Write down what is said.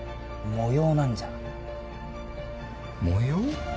模様？